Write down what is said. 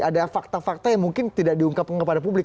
ada fakta fakta yang mungkin tidak diungkapkan kepada publik